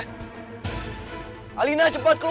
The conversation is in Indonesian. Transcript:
kalian cepat mundur